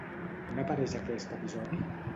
On apareix aquest episodi?